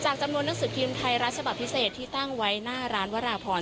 จำนวนหนังสือพิมพ์ไทยรัฐฉบับพิเศษที่ตั้งไว้หน้าร้านวราพร